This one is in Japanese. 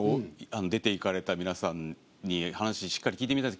出て行かれた皆さんに話しっかり聞いてみたいです。